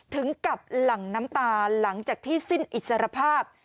ถึงกับหลั่งน้ำตาหลังจากที่สิ้นอิสรภาพ